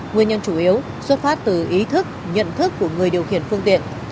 nguyên nhân chủ yếu xuất phát từ ý thức nhận thức của người điều khiển phương tiện